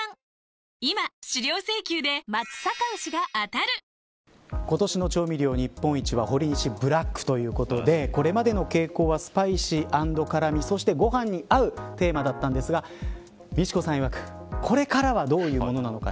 ただ、来年以降の戦いは今年の調味料日本一はほりにしブラックということでこれまでの傾向はスパイシー＆辛味そしてご飯に合うテーマだったんですがＭＩＣＨＩＫＯさんいわくこれからはどういうものなのか。